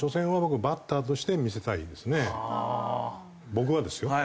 僕はですよ。